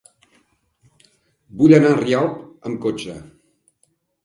Vull anar a Rialp amb cotxe.